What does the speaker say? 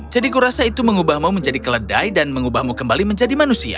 jadi kurasa itu mengubahmu menjadi keledai dan mengubahmu kembali menjadi manusia